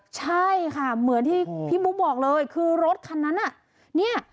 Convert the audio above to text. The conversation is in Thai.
ใช่ค่ะเหมือนที่พี่บุ๊คบอกเลยคือรถคันนั้นน่ะเนี่ย